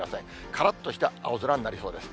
からっとした青空になりそうです。